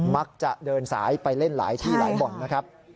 มักจะเดินสายไปเล่นหลายที่หลายบ่อนนะครับ